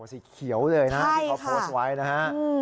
สีเขียวเลยนะที่เขาโพสต์ไว้นะฮะ